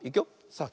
さあ